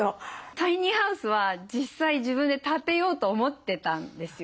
タイニーハウスは実際自分で建てようと思ってたんですよ。